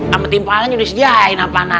sama timpalan udah siapin apaan